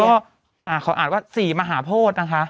ก็ขออาจว่า๔มหาโพธิ์นะคะ